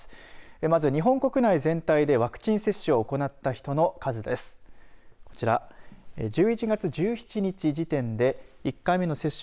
まず、日本国内全体でワクチン接種を行った人の数です。